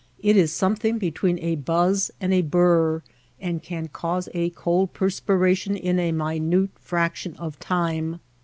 It is some thing between a buzz and a burr, and can cause a cold perspiration in a minute fraction of time.